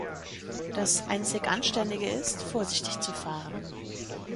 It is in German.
Das einzig Anständige ist, vorsichtig zu fahren.